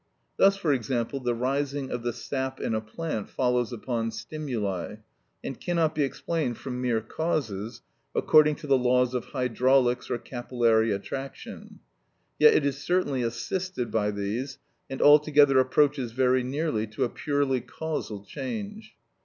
Thus, for example, the rising of the sap in a plant follows upon stimuli, and cannot be explained from mere causes, according to the laws of hydraulics or capillary attraction; yet it is certainly assisted by these, and altogether approaches very near to a purely causal change.